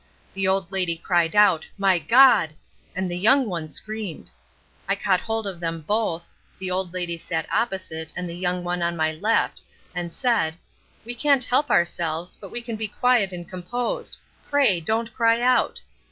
The old lady cried out 'My God!' and the young one screamed. I caught hold of them both (the old lady sat opposite, and the young one on my left) and said: 'We can't help ourselves, but we can be quiet and composed. Pray, don't cry out!